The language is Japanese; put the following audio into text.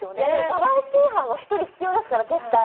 バラエティー班は１人必要ですから絶対。